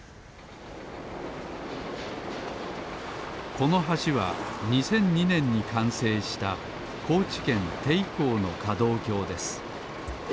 この橋は２００２ねんにかんせいしたこうちけんていこうのかどうきょうです